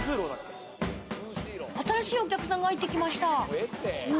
新しいお客さんが入ってきました。